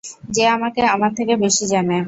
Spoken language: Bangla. যে আমাকে আমার থেকে বেশি জানে।